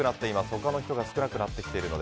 他の人が少なくなってきているので。